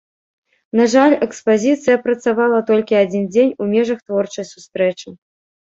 На жаль, экспазіцыя працавала толькі адзін дзень у межах творчай сустрэчы.